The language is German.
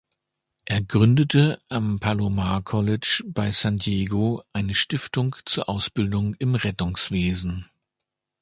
Er gründete am "Palomar College" bei San Diego eine Stiftung zur Ausbildung im Rettungswesen.